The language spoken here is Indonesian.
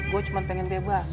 gue cuma pengen bebas